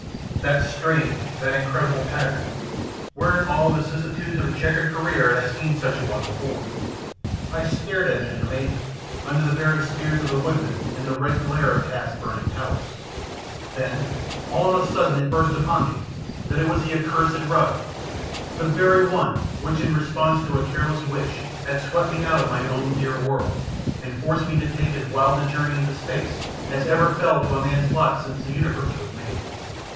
That strange, that incredible pattern! Where in all the vicissitudes of a chequered career had I seen such a one before? I stared at it in amazement under the very spears of the woodmen in the red glare of Hath's burning palace. Then all on a sudden it burst upon me that IT WAS THE ACCURSED RUG, the very one which in response to a careless wish had swept me out of my own dear world, and forced me to take as wild a journey into space as ever fell to a man's lot since the universe was made!